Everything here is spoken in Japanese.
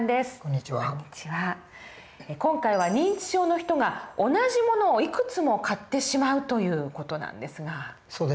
今回は認知症の人が同じ物をいくつも買ってしまうという事なんですが。